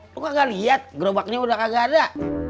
lo kagak liat gerobaknya udah kagak ada